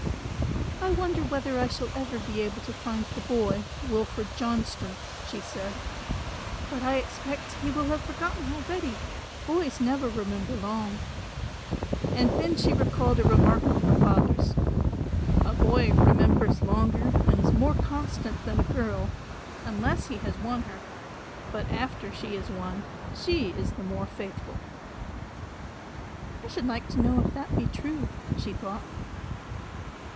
"I wonder whether I shall ever be able to find the boy, Wilfred Johnstone," she said. "But I expect he will have forgotten already, boys never remember long," and then she recalled a remark of her father's, "A boy remembers longer and is more constant than a girl, unless he has won her; but after she is won she is the more faithful." "I should like to know if that be true," she thought.